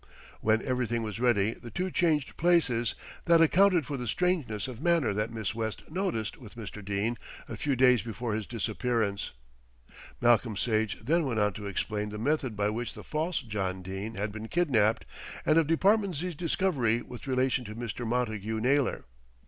When everything was ready the two changed places; that accounted for the strangeness of manner that Miss West noticed with Mr. Dene a few days before his disappearance." Malcolm Sage then went on to explain the method by which the false John Dene had been kidnapped, and of Department Z.'s discovery with relation to Mr. Montagu Naylor.